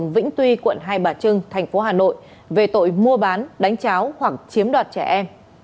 vĩnh tuy quận hai bà trưng thành phố hà nội về tội mua bán đánh cháo hoặc chiếm đoạt trẻ em